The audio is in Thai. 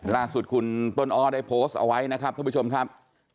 ล่าสุดคุณต้นอ้อได้โพสต์เอาไว้นะครับท่านผู้ชมครับ